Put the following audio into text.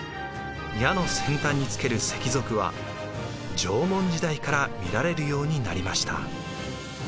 矢の先端につける石鏃は縄文時代から見られるようになりました。